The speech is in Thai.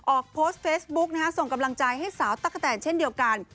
โพสต์เฟซบุ๊กนะฮะส่งกำลังใจให้สาวตั๊กกะแตนเช่นเดียวกัน